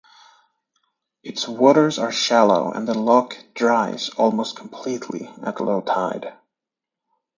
Its waters are shallow and the loch dries almost completely at low tide.